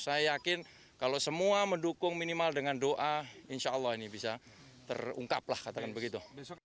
saya yakin kalau semua mendukung minimal dengan doa insya allah ini bisa terungkaplah katakan begitu